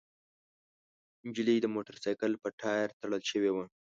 نجلۍ د موټرسايکل په ټاير تړل شوې وه.